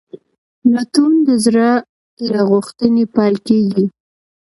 لټون د زړه له غوښتنې پیل کېږي.